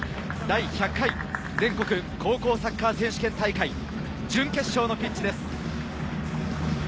第１００回全国高校サッカー選手権大会準決勝のピッチです。